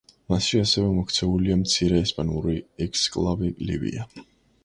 მასში ასევე მოქცეულია მცირე ესპანური ექსკლავი ლივია.